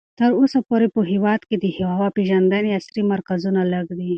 تر اوسه پورې په هېواد کې د هوا پېژندنې عصري مرکزونه لږ دي.